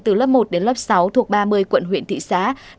từ lớp một đến lớp sáu thuộc ba mươi quận huyện thị xã